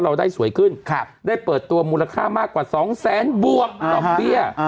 เราได้สวยขึ้นได้เปิดตัวมูลค่ามากกว่า๒แสนบวกดอกเบี้ย